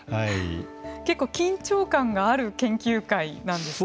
結構緊張感がある研究会なんですか。